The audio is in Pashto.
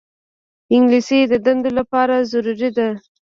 انګلیسي د دندو لپاره ضروري ده